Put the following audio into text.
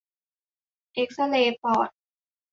เอกซเรย์ปอด